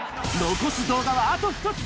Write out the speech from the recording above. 残す動画はあと１つ。